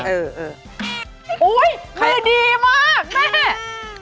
โอ้ยมือดีมากแม่